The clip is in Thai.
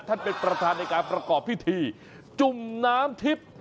ท่านประธานเป็นประธานในการประกอบพิธีจุ่มน้ำทิพย์